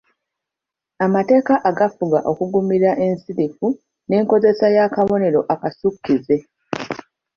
Amateeka agafuga okuggumira kw’ensirifu n’enkozesa y’akabonero akasukkize.